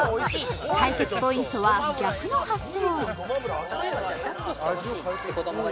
解決ポイントは逆の発想